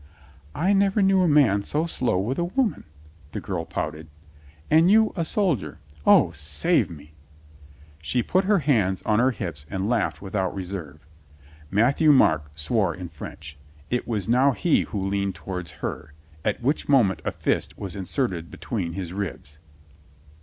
"I never knew a man so slow with a woman," the girl pouted. "And you a soldier! O, save me!" She put her hands on her hips and laughed without reserve. Matthieu Marc swore in French. It was now he who leaned towards her. At which moment a fist was inserted between his ribs.